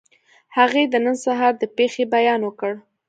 هغې د نن سهار د پېښې بیان وکړ